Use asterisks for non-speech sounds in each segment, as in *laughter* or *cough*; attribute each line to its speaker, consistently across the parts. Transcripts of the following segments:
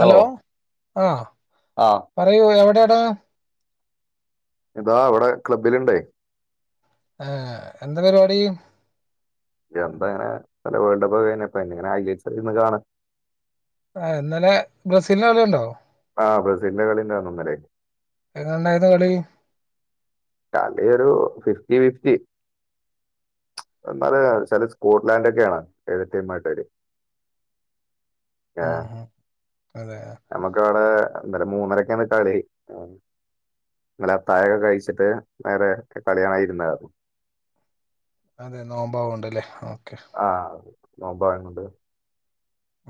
Speaker 1: Hello ആ
Speaker 2: ആഹ്
Speaker 1: പറയൂ എവിടെയടാ
Speaker 2: ഇതാ ഇവിടെ ക്ലബ്ബില്ണ്ടേ
Speaker 1: ഏ എന്താ പരിപാടി
Speaker 2: എന്ത അങ്ങനെ പല വേൾഡ് കപ്പ് കഴിഞ്ഞപ്പങ്ങന്നിങ്ങനെ *unintelligible* ഇര്ന്ന് കാണ
Speaker 1: ആ ഇന്നലെ ബ്രസീല്ൻ്റെ കളികണ്ടൊ
Speaker 2: ആ ബ്രെസീലിന്റെ കളി ഉണ്ടായിരുന്നു ഇന്നലെ
Speaker 1: എങ്ങനെയുണ്ടായിരുന്നു കളി
Speaker 2: കളിയൊരു ഫിഫ്റ്റി ഫിഫ്റ്റി എന്നാല് ചില സ്കോട്ട്ലാൻഡ ഒക്കെയാണ് എതിർടീമായിട്ട് വര്യ
Speaker 1: ആ ആ അതെ
Speaker 2: നമുക്ക് അവിടെ എന്തര് മൂന്നരക്കാണ് കളി ആ ഇന്നലെ അത്താഴംയൊക്കെ കഴിച്ചിട്ട് നേറെ കളി കാണാ ഇരുന്നത്
Speaker 1: അതെ നോമ്പാവ ഉണ്ടല്ലേ ആ
Speaker 2: ആ നോമ്പായിരുന്നു കൊണ്ട്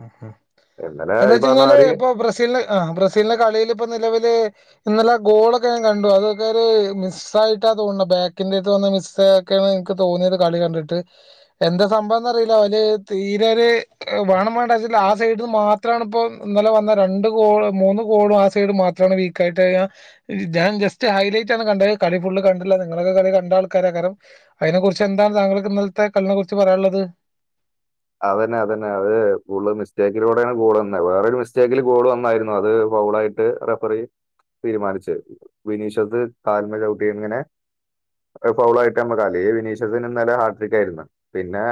Speaker 1: ഉം എന്താ
Speaker 2: ഈ
Speaker 1: വച്ച
Speaker 2: പറഞ്ഞ
Speaker 1: കഴിഞ്ഞാല്
Speaker 2: മാതിരി
Speaker 1: ഇപ്പം ബ്രസീല് ആ ബ്രസീലിന്റെ കളിയില് നിലവൽ ഇന്നലെ ഗോളൊക്കെ ഞാൻ കണ്ടു അതൊക്കെ ഒരു മിസ് ആയിട്ടാ തോന്നണത് ബാക്കിന്റെതും മിസ്ക്കെയാണ് എനിക്ക് തോന്നിയത് കളി കണ്ടിട്ട് എന്താ സംഭവംന്ന്റിയില്ല അവര് തീരെര് വേണം ആ സൈസിന്ന് മാത്രമാണ് ഇപ്പോ ഇന്നല വന്ന രണ്ട് ഗോൾ മൂന്ന് ഗോളും ആ സൈഡ് മാത്രമാണ് വീക്ക് ആയി ഞാൻ ജസ്റ്റ് ഹൈലൈറ്റ് ആണ് കണ്ടത് കളി ഫുള്ള് കണ്ടില്ല നിങ്ങളൊക്കെ കളി കണ്ട ആൾക്കാര കാരണം അതിനെ കുറിച്ച് എന്താണ് താങ്കൾക്ക് ഇന്നലത്തെ കളിനെ കുറിച്ച് പറയാനുള്ളത്
Speaker 2: അതന്നെ അത തന്നെ അത്കൂടുതൽമിസ്റ്റേക്കിലൂടെയാണ് ഗോൾ വന്നത് വേറൊരു മിസ്റ്റേക്കില് ഗോൾ വന്നായിരുന്നു അത് ഫൗളായിട്ട് റെഫറി തീരുമാനിച്ചു വിനീഷസ് കാലുമ്മേ ചവുട്ടി ഇങ്ങനെ ഫൗള ആയിട്ട് മ്മക്ക് ഈ വിനീഷസത്തിന് ഇന്നലെ ഹാട് ബീറ്റ്ആയിരുന്നു പിന്നെ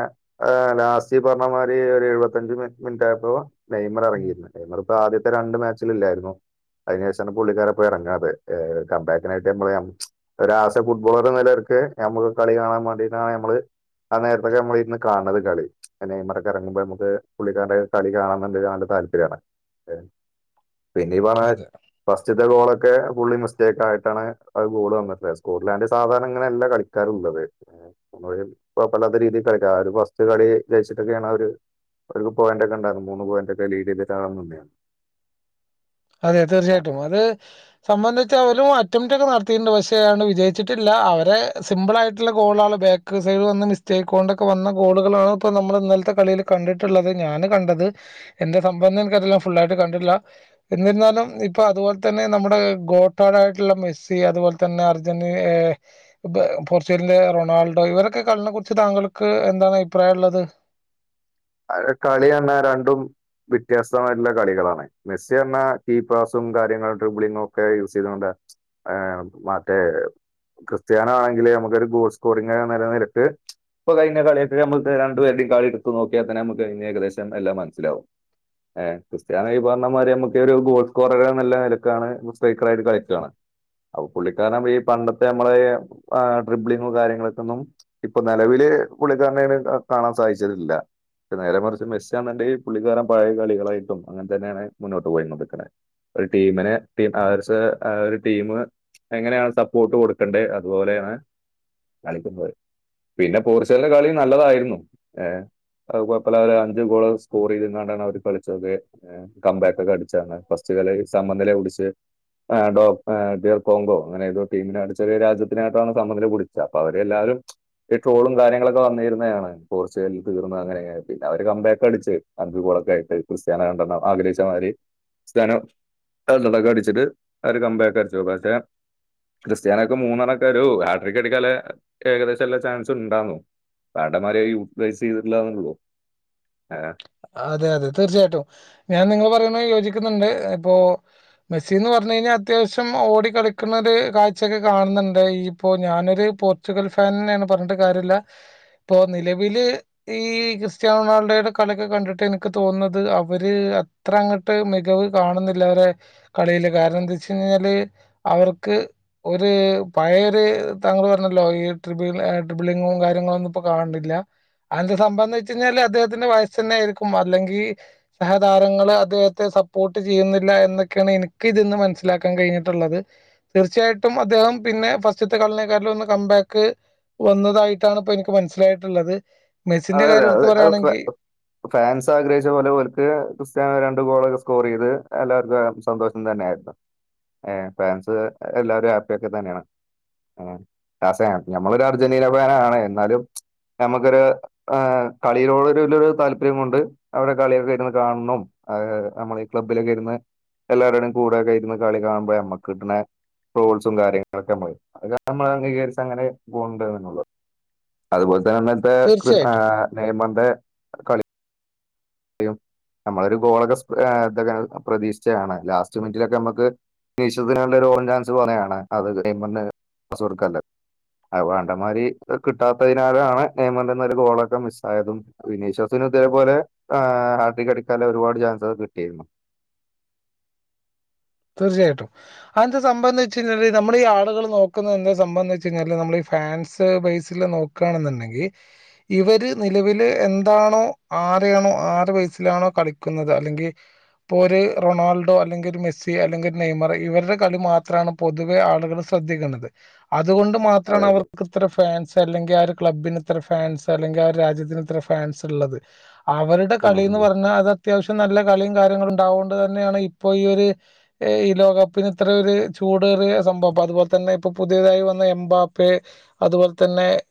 Speaker 2: ലാസ്റ്റ് ഈ പറഞ്ഞ മാതിരി ഒരു എഴുപത്തഞ്ച് മിനിറ്റ് ആയപ്പോ നൈമർ
Speaker 1: ഉം.
Speaker 2: ഇറങ്ങിയിരുന്നുനൈമറ് ഇപ്പൊ ആദ്യത്തെ രണ്ട് മാച്ചില് ഇല്ലായിരുന്നു അതിനു ശേഷമാണ് പുള്ളിക്കാരപ്പോ ഇറങ്ങാതെ കംമ്പാക്കിനായിട്ട് ഞമ്മളെ ഒരു ആ സെ ഫുട്ബോളർ എന്ന നിലയി ഒക്കെ നമ്മുക്ക് കളി കാണാൻ വേണ്ടിട്ടാണ് നമ്മള് ആ നേരത്തൊക്കെ നമ്മൾ ഇന്ന് കാണുന്നത് കളി നെയ്മറൊക്കെ ഇറങ്ങുമ്പോ നമുക്ക് പുള്ളിക്കാരുടെ കളി കാണാന് നല്ല താല്പര്യമാണ് പിന്നെ ഈ പറഞ്ഞ
Speaker 1: അതെ
Speaker 2: ഫസ്റ്റത്തെ ഗോള് ക്ക് ഫുള്ളി മിസ്റ്റേക്ക് ആയിട്ടാണ് ഗോള് വന്നിട്ടുള്ളത് സ്കോട്ട്ലാൻറ് സാധാരണ ഇങ്ങനെയല്ല കളിക്കാറ് ഉള്ളത് നമ്മ ഇപ്പൊ വല്ലാത്ത രീതിൽ കളിക്കാം ആ ഒരു ഫസ്റ്റ് കളി ജയിച്ചിട്ടൊക്കെയാണ് അവര് ഒരു പോയിന്റ് ഒക്കെ ഉണ്ടായിരുന്നത് മൂന്ന് പോയിന്റ് ഒക്കെ ലീഡ് ചെയ്തിട്ടാണ് തന്നെയാണ്
Speaker 1: അതെ തീർച്ചയായിട്ടും അത് സംബന്ധി അവരും അറ്റംറ്റ് ഒക്കെ നടത്തിയിട്ടുണ്ട് പക്ഷെ വിജയിച്ചിട്ടില്ല അവരെ സിമ്പിൾ ആയിട്ടുള്ള ഗോള ബേക്ക വ മിസ്റ്റേക്ക് കൊണ്ടൊക്കെ വന്ന ഗോളുകളാണ് ഇപ്പൊ നമ്മൾ ഇന്നലത്തെ കളിൽ കണ്ടിട്ടുള്ളത് ഞാന് കണ്ടത് എന്തേ സംഭവം എന്ന്നക്കറില്ല ഫുൾആയിട്ട് കണ്ടില്ല എന്നിരുന്നാലും ഇപ്പൊ അതുപോലെ തന്നെ നമ്മുടെ ഗോട്ടാടായിട്ടുള്ള മെസ്സി അതുപോലെ തന്നെ അർജന്റീന പോർച്ചുഗലിന്റെ റൊണാൾഡോ ഇവരൊക്കെ കളിനെ കുറിച്ച് താങ്കൾക്ക് എന്താണ് അഭിപ്രായം ഉള്ളത് *inaudible*
Speaker 2: കളിന്നെ രണ്ടും വ്യത്യസ്തമായിട്ടുള്ള കളികളാണ് മെസ്സി പറഞ്ഞാൽ കീ പാസും കാര്യങ്ങളും ട്രിബിളിങ്ങും ഒക്കെ യൂസ് ചെയ്തൊണ്ട് ആ മറ്റേ ക്രിസ്ത്യാനൊ ആണെങ്കിൽ നമുക്കൊരു ഗോൾ സ്കോറിംഗ നിലനിരക്ക് ഇപ്പ കഴിഞ്ഞ കളിയക്കെ നമ്മ രണ്ടുപേരുടെയും കളി എടു നോക്കിയൽ തന്നെ നമുക്ക് ഏകദേശം എല്ലാം മനസ്സിലാവും ഏ ക്രിസ്ത്യാന ഈ പറഞ്ഞ മാതി നമുക്ക് ഒരു ഗോൾ സ്കോറ നല്ല നിലക്കാണ് സ്ട്രൈക്കറ ആയിട്ട് കളിക്കുകയാണ് അപ്പൊ പുള്ളിക്കാരണം ഈ പണ്ടത്തെ നമ്മളെ ട്രിബിളിങ്ങോം കാര്യങ്ങളൊക്കെ ഒന്നും ഇപ്പൊ നിലവില് പുളളിക്കാരനാണ് കാണാൻ സാധിച്ചിട്ടില്ല പെ നേരെ മറിച്ച് മെസ്സിന്നുണ്ട ഈ പുള്ളിക്കാരൻ പഴയ കളികളായിട്ടും അങ്ങനെ തന്നെയാണ് മുന്നോട്ട് പോയി കൊ നിടുക്കണെ ഒരു ടീമിന് ടീം അവർക്ക് ഒരു ടീം എങ്ങനെയാണ് സപ്പോർട്ട് കൊടുക്കേണ്ടത് അതുപോലെ ആണ് കളിക്ക പിന്നെ പോർച്ചുഗലിന്റെ കളി നല്ലതായിരുന്നു ഏ അപ്പല് അവര് അഞ്ച് ഗോള് സ്കോർ ചെയ്തോണ്ടാണ് അവര് കളിച്ചത്തക്കെ കംബാക്ക് ഒക്കെ ആണ് ഫസ്റ്റ് കളി സമനില പിടിച്ച്
Speaker 1: *inaudible*
Speaker 2: ആ ഡോ ഏ കാർഡിയോ കോങ്കോ അങ്ങനെ ഏതോ ടീമിനായിട്ട് ചെറിയ രാജ്യത്തിനായിട്ടാണ് സമനില കുടിച്ച അപ്പ അവര് എല്ലാവരും ഈ ട്രോളും കാര്യങ്ങളൊക്കെ വന്നിരുന്നയാണ് പോർച്ചുഗലിൽ തീർന്ന് അങ്ങനെ പിന്നെ അവര് കമ്പേക്ക അടിച്ച് അഞ്ചു ഗോളൊക്കെ ആയിട്ട് ക്രിസ്ത്യാന രണ്ടെണ്ണം ആഗ്രഹിച്ച മാതിര് സ്റ്റെനോ അള്കളേക്ക അടിച്ചിട്ട് അവര് കമ്പേക്കെ അടിച്ചു പക്ഷെ ക്രിസ്ത്യാനെക്ക് മൂന്നാലൊക്കെ ഒരു ഹാട്രിക്കടിക്കാലെ ഏകദേശംല്ലേ ചാൻസ് ഉണ്ടാകൂ മണ്ടമാര് യൂട്ടിലൈസെയ്തിട്ടില്ലാ ന്നെല്ലേള്ളു
Speaker 1: അതെ അതെ തീർച്ചയായിട്ടും ഞാൻ നിങ്ങള്പറയുന്ന യോജി ക്കുന്നുണ്ട് ഇപ്പോ മെസ്സീന്ന് പറഞ്ഞ്കഴിഞ്ഞാ അത്യാവശ്യം ഓടികളിക്കുന്നത് കാഴ്ചൊക്കെ കാണ നന്തായി ഇപ്പോ ഞാനൊരു പോർച്ചുഗൽ ഫാൻനെയാണ് പറഞ്ഞിട്ട് കാര്യല്ല ഇപ്പൊ നിലവില് ഈ ക്രിസ്ത്യൻ റൊണാൾഡോയുടെ കളിയൊക്കെ കണ്ടിട്ട് എനിക്ക് തോന്നുന്നത് അവര് അത്ര അങ്ങട്ട് മികവ് കാണുന്നില്ല അവരെ കളി അയ്ല് കാരണം എന്താച്ച് കഴിഞ്ഞാല് അവർക്ക് ഒര് പഴയൊര് താങ്കള് പറഞ്ഞല്ലോ യൂട്ടുബിലെ ട്രിബിളിങ്ങും കാര്യങ്ങളൊ ന്നു ഇപ്പ കാണണില്ല അതിന്റെ സംഭവം എന്നാവെച്ച്കഴിഞ്ഞാല് അദ്ദേഹത്തിന്റെ വയസ് തന്നെ ആയിരിക്കും അല്ലെങ്കി സഹതാരങ്ങള് അദ്ദേഹത്തെ സപ്പോർട്ട് ചെയ്യുന്നില്ല എന്നൊക്കെണ് എനിക്ക് ഇതീന്ന് മനസ്സിലാക്കാൻ കഴിഞ്ഞ ട്ടൊള്ളത് തീർച്ചയായിട്ടും അദ്ദേഹം പിന്നെ ഫസ്റ്റത്തെ കള്ളെക്കാരിൽന്ന് കമ്പെ ക്കെ വന്നതായിട്ടാണ് ഇപ്പ എനിക്ക് മനസ്സിലായിട്ടുള്ളത് മെസ്സിന്റെ
Speaker 2: അതെ അതെ
Speaker 1: കാര്യം
Speaker 2: അത്
Speaker 1: എടുത്ത്
Speaker 2: അത് ഫാ
Speaker 1: പറയാണെങ്കി
Speaker 2: ഫാൻസ് ആഗ്രഹിച്ച പോലെ എടുത്ത് ക്രിസ്ത്യാനോ രണ്ടു ഗോളൊക്കെ സ്കോർ ചെയ്ത് എല്ലാവർക്കു അയാ സന്തോഷം തന്നെ ഏ ഫാ ഏ ഫാൻസ് എല്ലാരും ഹാപ്പി എക്ക തന്നെയാണ് ഉം ദാസേ ഞമ്മളൊരു അർജന്റീന ഫാനാണ് എന്നാലും ഞമ്മക്കൊരു ആ കളിയിലോടൊരുലു താല്പര്യം കൊണ്ട് അവരുടെ കളിയൊക്കെ ഇരുന്ന് കാണ് ണും അതേ അതേ നമ്മൾ ഈ പ്പിലൊക്കെ ഇരുന്ന് എല്ലാവര്ടൂടെയും കൂടേക്കെ ഇരുന്നു കളി കാണുമ്പോ ഞമ്മക്ക് കിട്ടുന്ന ഹാ ട്രോൾസും കാര്യങ്ങളൊക്കെ മ്മള് അത് നമ്മള് അംഗീകരിച്ചഅങ്ങനെ പോണ് ണ്ട്ന്നുള്ളത് അതുപോലെ തന്നെ അന്നത്തെ എ് ആ
Speaker 1: തീർച്ചയായിട്ടും
Speaker 2: നെയ്മർന്റെ കളി യുംനമ്മളൊരു ഗോളൊക്കെ സ്പ്രെ ഇതൊക്കെ പ്രതീക്ഷിച്ചയാണ് ലാസ്റ്റ് മിനിറ്റിലൊക്കെ നമ്മക്ക് *unintelligible* ണ്ടെരു ഓൺ ചാൻസ് കൊറെയാണ് അത് നെയ്മർന്റെ സ്വാർഗല്ലെ ന്നുതിപ്പോ ആണ്ടമാതിരി ക് കിട്ടാത്തതിനാലാണ് നെയ്മറിന്റെയീന്ന് ഒരു ഗോളൊക്കെ മിസ്സായതും വിനി ശാസ്ന് അതേപോലെ ആ ഹാടി കടിക്കാലെ ഒരുപാട് ചാൻ സൊക്കെ കിട്ടിയിരുന്നു
Speaker 1: തീർച്ചയായിട്ടും അതെന്താ സംഭവോന്നെച്ച്ഴിഞ്ഞാല് നമ്മള് ഈ ആളുകള് നോക്കുന്നതെന്താ സംഭവോ ന്നെച്ച് കഴിഞ്ഞാല് നമ്മളീ ഫാൻസ് ബേസില് നോക്കാണെന്നുണ്ടെങ്കി ഇവര് നിലവില് എന്താണോ ആ അറിയണോ ആറ് വയസിലാണോ കളിക്കുന്നത് അല്ലെങ്കി ഇപ്പ ഒര് റൊണാൾഡോ അല്ലെങ്കി ഒരു മെസ്സി പി എ അല്ലെങ്കിൽ നെയ്മറ് ഇവരുടെ കളി മാത്രാണ് പൊ തുവെ ആളുകൾ ശ്രദ്ധിക്കുന്നത് അത് അതുകൊണ്ട്
Speaker 2: അതെ
Speaker 1: മാത്രാണ്
Speaker 2: അതെ
Speaker 1: അവർക്ക് ഇത്ര ഫാൻസ് അതല്ലെങ്കിൽ ആ ഒരു ക്ലബ്ബന് ഇത്ര ഫാൻസ് അല്ലെങ്കി ആ രാജ്യത്തിന് ഇത്ര ഫാൻസ് ഉള്ളത് അവരുടെ
Speaker 2: ഉം
Speaker 1: കളീന്ന് ന്ന്
Speaker 2: ഉം.
Speaker 1: പറഞ്ഞാ അത് അത്യാവശ്യം നല്ല കളിയും കാര്യങ്ങളും ഉണ്ടാവോകൊണ്ട് തന്നെയാണ് ഇപ്പോ ഈ ഒര് ഈ ലോകകപ്പിന് ഇത്രൊ ഒരു ചൂടേറിയ സംഭവം അപ്പ അതുപോലെ തന്നെ ഇപ്പൊ പുതിയതായി വന്ന എംബാപ് എ അതുപോൽ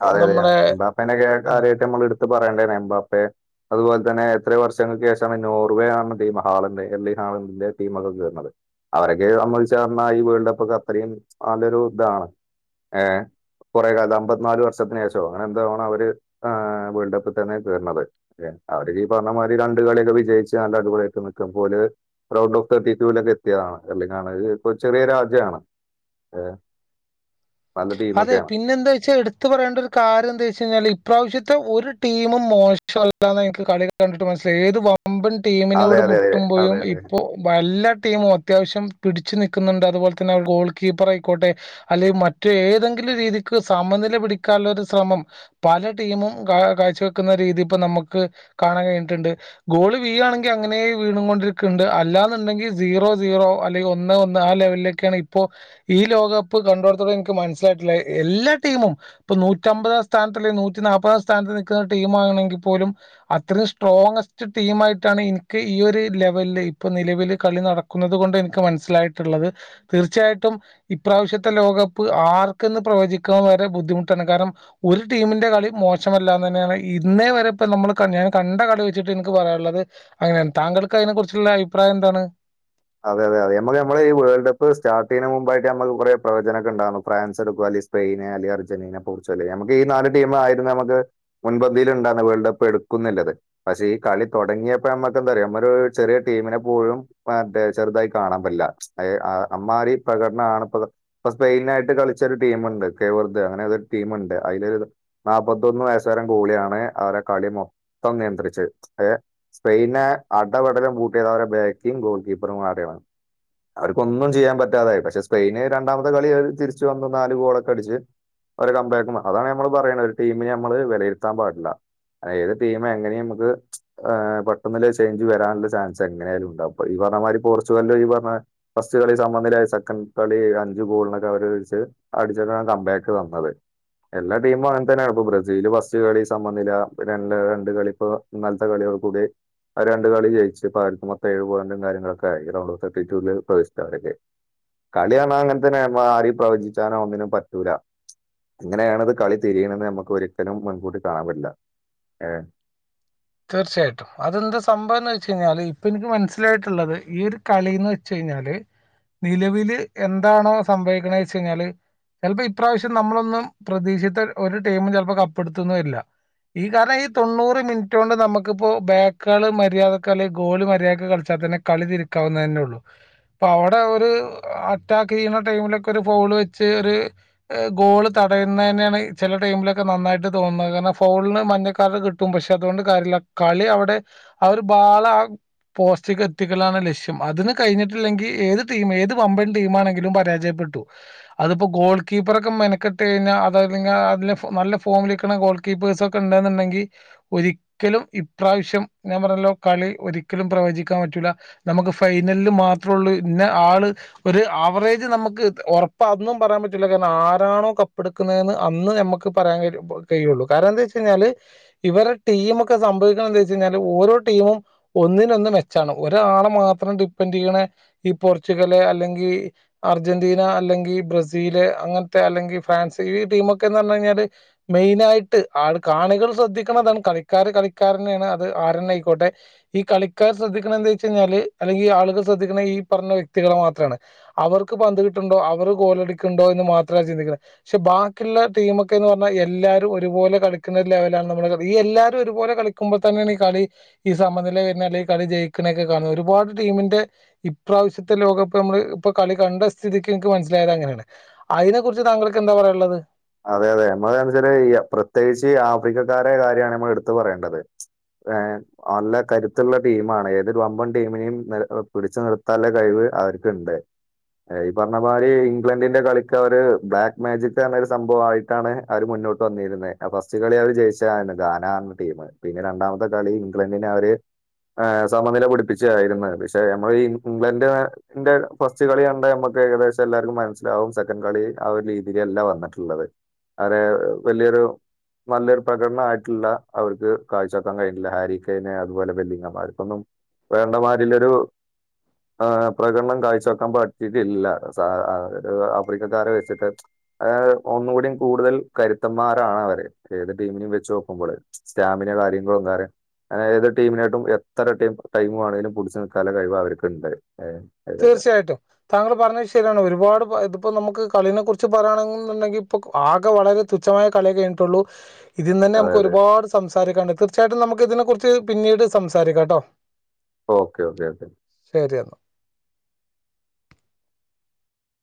Speaker 2: അതെ അതെ എം. എംബാപ്പേനേക്കെ ഏ
Speaker 1: ആ
Speaker 2: കാര്യായിട്ട് നമ്മള് എടുത്ത് പറയേണ്ടേണെ എംബാപ്പെയേ അതുപോലെ തന്നെ എത്രയോ വർഷങ്ങൾക്ക് ശേഷം നോർവേ ആണ് ടീം ഹാളറ് എല്ലി ഹാളണ്ടറിന്റെ ടീമൊക്കെ കേറണത് അവരൊക്കെ നമ്മൾ ചേർന്ന ഈ വേൾഡ് കപ്പ്ക്കെ അത്രയും നല്ലൊരു ഇതാണ് ഏ് കൊറെ കാലം അമ്പത്ത്നാല് വർ ഷത്തിനേഷോ അങ്ങനെ എന്തോ ആണ് അവര് ആ വേൾഡ് കപ്പി തന്നെ കേറണത് എ അവരിക്കീ ഈ പറഞ്ഞ മാതിരി ര ണ്ട് കളീക്ക വിജയിച്ച് നല്ല അടിപൊളിയായിട്ട് നിക്കപോല പ്രൗഡോ ഫ് ദ പീപ്പിൽ എത്തിയതാണ് അല്ലെ *unintelligible* ചെറിയ രാജ്യാണ് ഏ
Speaker 1: അതെ പിന്നെന്താച്ചഎട് ത്ത് പറയേണ്ട ഒരു കാര്യം എന്താച്ച് കഴിഞ്ഞാല് ഇപ്രാവശ്യത്തെ ഒരു ടീമും മോശമല്ലാന്നെനിക്ക് കളി കണ്ടിട്ട് മനസ്സ് ഏത് വമ്പൻ
Speaker 2: അതെ
Speaker 1: ടീമിനോട്
Speaker 2: അതെ അതെ
Speaker 1: മുട്ടുമ്പോഴും
Speaker 2: അതെ അതെ
Speaker 1: ഇപ്പോ വല്ല ടീമും അത്യാവശ്യം ‌ പിടിച്ചു നിക്കുന്നുണ്ട് അതുപോലെ തന്നെ അവ ഗേൾ കീപ്പർ ആയിക്കോട്ടെ അല്ലെ മ റ്റേതെങ്കിലും രീതിക്ക് സമനില പിടിക്കാനൊരു ശ്രമം പല ടീമും കാ കാഴ്ച വെക്കുന്ന രീ രീതി ഇപ്പനമുക്ക് കാണാൻ കഴിഞ്ഞിട്ട്ണ്ട് ഗോള് വീഴാണെങ്കി അങ്ങനേ വീണു കൊണ്ടിരിക്കണ്ട് അല്ലാന്ന് ണ്ടെങ്കിൽ സീറോ സീറോ അല്ലെങ്കിൽ ഒന്ന് ഒന്ന് ആ ലെവലിലേക്കാണ് ഇപ്പോ ഈ ലോകകപ്പ് കണ്ടടുത്തോളം എനി ക്ക് മനസിലായിട്ടെള്ള എല്ലാ ടീമും ഇപ്പൊ നൂറ്റിമ്പതാം സ്ഥാനത്ത് അല്ല നൂറ്റി നാല്പതാം സ്ഥാനത്ത് നിൽക്കുന്ന ടീമാ ണെങ്കി പോലും അത്രയും സ്ട്രോങ്ങസ്റ്റ് ടീം ആയിട്ടാണ് എനിക്ക് ഈ ഒരു ലെവല് ഇപ്പൊ നിലവിൽ ലെ കളി നടക്കുന്നത് കൊണ്ട് എനിക്ക് മനസ്സിലായിട്ടുള്ളത് തീർച്ചയായിട്ടും ഇപ്രാവശ്യത്തെ ലോക പ്പ് ആർക്കന്ന് പ്രവചിക്കൻ വരെ ബുദ്ധിമുട്ടാണ് കാരണം ഒരു ടീമിന്റെ കളി മോശമല്ലാന്ന് തന്നെയാണ് ഈ.... ഇന്നേ വരെ ഇപ്പ നമ്മൾ ഞൻ കണ്ട കളി വെച്ചിട്ട് എനിക്ക് പറയാനുള്ളത് അങ്ങനെ തങ്കൾക്ക് അതിനെ കുറിച്ചുള്ള അഭിപ്രായം എന്താണ്
Speaker 2: അതെ അത അതെ നമ്മക്ക് നമ്മളെ ഈ വേൾഡ് കപ്പ് സ്റ്റാർട്ട് ചെയ്ന് മുമ്പായിട്ട് നമ്മള് കുറെ പ്രവചനെക്കെ ഉണ്ടാർന്നു ഫ്രാൻ എടുക്കുവാന്ന് ത്‌സ്‌പൈന് അല്ലെ അർജന്റീന, പോർച്ചുഗല് നമ്മുക്ക് ഈ നാല് ടീമായിരുന്നു നമ്മുക്ക് മുൻപത്തില്ണ്ടാർന്ന വേൾഡ് കപ്പ് എ ടുക്കുന്നള്ളത് പക്ഷെ ഈ കളി തുടങ്ങിയപ്പോ നമ്മക്ക് എന്താ പറയ അവമാര്. ചെറിയ ടീമിനെ പോലും മാ ആ ചെറുതായി കാണാൻ പറ്റില്ല ആ ആ അമ്മാരി പ്രകടനാണ് ഇപ്പത്‌ ഇപ്പ സ്പെയിന് ആയിട്ട് കളിച്ചൊരു ടീമ് ടീമുണ്ട് കെ വർധ അങ്ങനൊരു ടീമുണ്ട് അതിലൊരുനാപ്പത്തൊന്ന് വയസ്സ് കാരർ ഗോളിയാണ് അവരെ കളി മൊത്തം നിയന്ത്രിച്ചത് അത് സ്പെയിനെ അടപടലം പൂട്ടിയത് അവരെ ബാക്കിംങ് ഗോർ കീ പ്പർമാരിളാണ് അവർക്കൊന്നും ചെയ്യാൻ പറ്റാതായി പക്ഷെ സ്പെയിന് രണ്ടാമത്തെ കളി തിരിച്ച് വന്നു നാല് ഗോളൊക്കെ അടിച്ച്.., ഒരു കംബാക്കും വന്ന് അതാണ് നമ്മള് പറയുന്നത് ഒരു ടീമിനെ നമ്മള് വിലയിരുത്താൻ പാടില്ല ഏത് ടീമ് എങ്ങനെയും നമുക്ക് ആ പെട്ടെന്ന്ല് ചേഞ്ച് വരാനുള്ള ചാൻസ് എങ്ങനൊയാലും ഉണ്ടാവും അപ്പ ഈ പറഞ്ഞ മാതിരി പോർച്ചുഗല് ഈ പറഞ്ഞ ഫസ്റ്റ് കളി സമനില സെക്കൻഡ് കളി അഞ്ച് ഗോളിനൊക്കെ അവര് വെച്ച് അടിച്ച് താണ് കംബാക്ക് തന്നത്. എല്ലാ ടീമും അങ്ങനെ തന്നെയാണ് ഇപ്പൊ ബ്രസീല് ഫസ്റ്റ് കളി സമനില രണ്ട് കളി രണ്ട് കളിപ്പോ ഇന്നലത്തെ കളി *unintelligible* രണ്ട് കളി ജയിച്ച് മെത്തം ഇപ്പം ഏഴുപൊയിന്റും കാര്യങ്ങളൊക്കെ....... *unintelligible* തേർറ്റിറ്റുവില് പ്ലസ്ഡ് ആണില്ലേ കളിയണ അങ്ങനത്തന്നെ ആര പ്രവചിച്ചാനോ ഒന്നിനും പറ്റൂല..... എങ്ങനെയണത് കളി തിരിയണെന്ന് നമുക്ക് ഒരിക്കലും മുൻകൂട്ടി കാണാൻ പറ്റില്ല ഏ.......
Speaker 1: തീർച്ചയായിട്ടും അതെന്താ സംഭവം എന്ന് വെച്ച് കഴിഞ്ഞാല് ഇപ്പൊ എനിക്ക് മനസ്സിലായിട്ടുള്ളത് ഈ ഒരു കളി എന്ന് വെച്ച് കഴി ല് നിലവില് എന്താണോ സംഭവിക്കണ വെച്ച കഴിഞ്ഞാല്. ചിലപ്പോ ഇപ്രാവശ്യം നമ്മളൊന്നും പ്രതീക്ഷത്ത ഒരു ടീമും ചിലപ്പോ കപ്പടുത്തൊന്നു കാപ്പ് എത്തുന്ന വരില്ല...... ഈ കാരണം ഈ തൊണ്ണൂറ് മി മറ്റണ്ട് നമുക്കിപ്പോ ബേകകള് മര്യാദക്കെ. അല്ലെങ്കിൽ ഗോളി മര്യാദയ്ക്ക് കളിച്ചാതന്നെ കളിതിരികാവുന്നതേള്ളൂ.. അപ്പ അവിടെ ഒരു അറ്റാക്ക് ചെയ്യുന്ന ടൈമിലൊക്കെ, ഒരു ഫോള് വെച്ച് ഒരു ഗോള്. പറയുന്നതന്നെയാണ്. ചില ടൈമിലൊക്കെ നന്നായിട്ട്. തോന്നുന്നേ ഫോളിന്ന് മന്ന്കർഡ് കിട്ടും പക്ഷേ. അതുകൊണ്ട് കാര്യല്ല, കളി അവിടെ അവര്. ബാളാ പോസ്റ്റിക് എത്തികല്ലാണ് ലക്ഷ്യം, അതിന് കഴിഞ്ഞിട്ടില്ലെങ്കി ഏത് ടീമ് ഏത് പമ്പൻ ടീമാണെങ്കിലും പരാജയ പെട്ടു, അതിപ്പോ ഗോൾ കീപ്പാറൊക്കെ മെനക്കെട്ട് കഴിഞ്ഞ അതായത് ഇങ്ങളെ നാട്ടിലെ നല്ല ഫ്രംമിൽ നിക്കുന്ന ഗോൾ കി കീപ്പേഴ്സ് ഇണ്ട്ന്ന്ണ്ടങ്കിൽ. ഒരിക്കലും, ഇപ്രാവശ്യം ഞാൻ പറഞ്ഞല്ലോ. കളി ഒരിക്കലും പ്രവചിക്കാൻ പറ്റൂല. നമുക്ക് ഫൈ *unintelligible* മാത്രള്ളൂ, ഇന ആള് ഒരു അവറേജ് നമുക്ക് ഉറപ്പന്നും പറയാൻ പറ്റില്ല കാരണം. ആരാണോ, കപ്പെടുക്കുന്ന എന്ന് അന്ന് നമുക്ക് പറയാൻ ക കഴിയുള്ളൂ കാരണം എന്താ വെച്ച കഴിഞ്ഞാല് ഇവരെ ടീമ് ഒക്കെ സംഭവിക്കണേ. എന്ത വെച്ചച്ച് കഴിഞ്ഞാൽ ഓരോ ടീമും ഒന്നിനൊന്ന് മെച്ചാണ് ഒരാളെ മാത്രം ഡി എതിയിന്നേ. ഈ പോർച്ചുഗല് അല്ലെങ്കിൽ അർജന്റീന അല്ലെങ്കിൽ ബ്രസീല് അങ്ങനത്തെ. അല്ലെങ്കിൽ, ഫ്രാൻസ് ഈ ടീമൊക്കെന്ന് പറകഴിഞ്ഞാല് മെയിനായിട്ട് ആള് കാണികൾ ശ്രദ്ധിക്കണേതാണ്. കളിക്കാര് കളിക്കാരന്നെയാണ്, അത് ആരന്നെ ആയിക്കോട്ടെ ഈ കളിക്കാര് ശ്രദ്ധിക്കുന്നവെച്ച് കൈനല് അല്ലെങ്കിൽ. അ ശ്രദ്ധിക്ക ഈ പറഞ്ഞ വ്യക്തികളെ മാത്രമാണ്, അവർക്ക് പന്ത് കിട്ടണ്ടോ അവർ ഗോളടിക്കുന്നുണ്ടോ എന്ന് മാത്ര. ചിന്തിക്ണ്, പക്ഷെ ബാക്കിയുള്ള ടീമ ഒക്കെന്ന് പറഞ്ഞാൽ എല്ലാവരും ഒരുപോലെ കളിക്കുണേ ഒരു ലെവലാണ് നമ്മള് ഈ എല്ലാരും ഒരുപലെ കളിക്കുമ്പോൾ തന്നെയാണ് ഈ കളി ഈ സമനിലവരുന്നേ അല്ലെങ്കഈ കളി ജയിക്കുന്നൊക്കെ കാണേ ഒരുപാട്. ടീമിന്റെ, ഇപ്രാവശ്യത്തെ ലോകകപ്പ് നമ്മള് ഇപ്പൊ കളി കണ്ടസ്ഥിതിക്ക് എനിക്ക് മനസ്സിലായത് അങ്ങനെയാണ് അയിന
Speaker 2: അതെ അതെ *unintelligible* പ്രത്യേകിച്ച് ആഫ്രിക്കൻ വേറെ കാര്യാമാണ് നമ്മൾ എടുത്തു പറയേണ്ടത്. ഏ ഒന്ന് കരുത്തുള്ള ടീ ആമാണ് ഏതൊരു അമ്പം ടീമിനെയും എ പിടിച്ചു നിർത്താലെ കഴിവ് അവര്ണ്ട് ഏ പറഞ്ഞ മാരി ഇംഗ്ലണ്ടിന്റെ കളക്ക് അവര്. ബ്ലാക്ക് മാജിക് റഞ്ഞ ഒരു സംഭവയിട്ടാണ് അവര് മുന്നോട്ട് വന്നിരുന്നെ. ആ ഫസ്റ്റ് കളി അവര് ജയിച്ച ഗാനാ ടീം പിന്നെ രണ്ടാമത്തെ കളി ഇംഗ്ലണ്ടിനെ അവര്. ആ, സമനില പിടിപ്പിച്ചതായിരുന്നത് പക്ഷെ, നമ്മളെ ഈ ഇംഗ്ലണ്ട് ന്റെ, ഫസ്റ്റ് കളികണ്ട നമ്മക്ക് ഏകദേശം, എല്ലാവർക്കും മനസിലാവും സെക്കൻഡ് കളി ആ, ഒരു രീതിയിലല്ല വന്നിട്ടുള്ളത്, അവര് വലിയൊരു *unintelligible* പ്രകടന ആയിട്ടില്ല അവർക്ക് കാഴ്ചവെക്കാൻ കഴിഞ്ഞില്ല ഹാരിക്കയ്നെ അതുപോലെ വെല്ലിങ്ങമാല് ഇവർക്കൊന്നും. വേണ്ടമാരിലൊരു ആ പ്രകടനം കാഴ്ച വെക്കാൻ പറ്റിയിട്ടില്ല സ അ ആഫ്രിക്കക്കാരെ വെ വച്ചിട്ട് ആ ഒന്ന് കൂടി കൂടുതൽ കരുത്തന്മാരാണ് അവര് ഏത് ടീമിനും വെച്ച് നോക്കുമ്പോള്. സ്റ്റാമിന, കാര്യങ്ങളൊന്നു ഒന്നേറ ഏത് ടീമിന്നേറ്റും, എത്ര ടീം ടൈം ആണെങ്കിലും പിടിച്ച് നിൽക്കാല കഴിവ് അവര്ക്ക്ണ്ട്.
Speaker 1: തീർച്ചയായിട്ടും താങ്കൾ പറഞ്ഞത് ശരിയാണ് ഒരുപാട് *unintelligible* ഇപ്പോൾ നമുക്ക് കളിനെക്കുറിച്ച് പറയാണെന്നുണ്ടെങ്കിൽ ഇപ്പോൾ ആകെ വളരെ തുച്ഛമായ കളിയെ കഴിഞ്ഞിട്ടുള്ളു. ഇതിന്നെന്നേ
Speaker 2: അതെ
Speaker 1: നമുക്ക്
Speaker 2: അതെ.
Speaker 1: ഒരുപാട് സംസാരിക്കാണ്ട്, തീർച്ചയായിട്ടും നമുക്ക് ഇതിനെ കുറിച്ച് പിന്നീട് സംസാരിക്കാം കേട്ടോ.
Speaker 2: Okay okay okay
Speaker 1: ശരിയന്ന